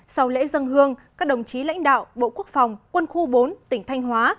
sau lễ dân hương các đồng chí lãnh đạo bộ quốc phòng quân khu bốn tỉnh thanh hóa